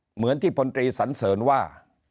เหมือนที่พลตรีสันเสริญว่า